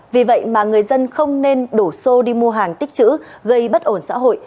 vì vậy mà người dân không nên đổ xô đi mua hàng tích chữ gây bất ổn xã hội